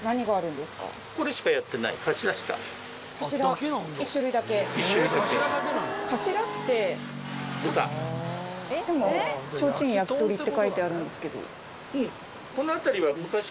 でもちょうちん「やきとり」って書いてあるんですけど。